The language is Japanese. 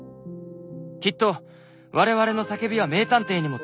きっと我々の叫びは名探偵にも届いている」。